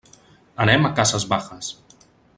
Anem a Casas Bajas.